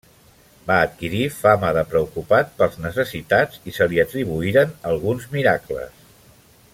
Va adquirir fama de preocupat pels necessitats i se li atribuïren alguns miracles.